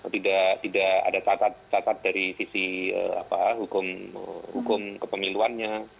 tidak ada catat catat dari sisi hukum kepemiluannya